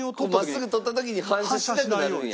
真っすぐ撮った時に反射しなくなるんや。